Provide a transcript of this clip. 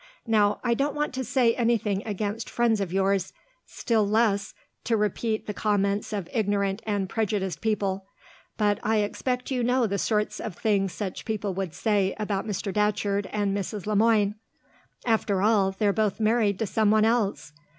Now, I don't want to say anything against friends of yours; still less to repeat the comments of ignorant and prejudiced people; but I expect you know the sort of things such people would say about Mr. Datcherd and Mrs. Le Moine. After all, they're both married to someone else.